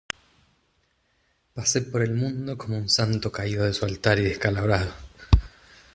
pasé por el mundo como un santo caído de su altar y descalabrado.